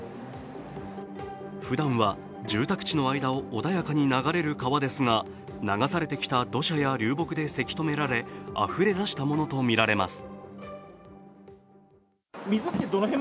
ふだんは住宅地の間を穏やかに流れる川ですが流されてきた土砂や流木でせき止められ、あふれ出したものとみられます。